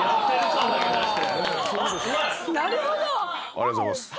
ありがとうございます。